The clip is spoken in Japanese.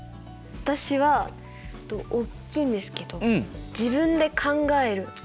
私は大きいんですけど「自分で考える」。